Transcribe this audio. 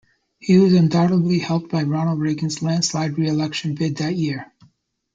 He was undoubtedly helped by Ronald Reagan's landslide reelection bid that year.